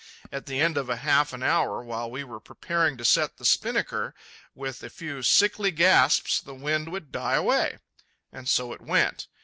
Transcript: At the end of half an hour, while we were preparing to set the spinnaker, with a few sickly gasps the wind would die away. And so it went.